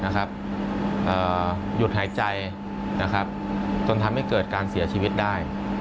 หยุดหายใจจนทำให้เกิดการเสียชีวิตได้